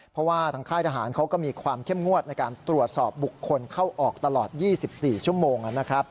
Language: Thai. เพราะว่าทางค่ายทหารเขาก็มีความเข้มงวดในการตรวจสอบบุคคลเข้าออกตลอด๒๔ชั่วโมง